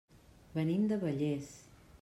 Venim de Vallés.